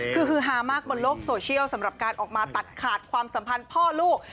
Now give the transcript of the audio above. คือฮือฮามากบนโลกโซเชียลสำหรับการออกมาตัดขาดความสัมพันธ์พ่อลูก